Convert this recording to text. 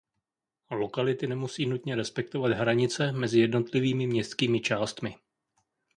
Lokality nemusí nutně respektovat hranice mezi jednotlivými městskými částmi..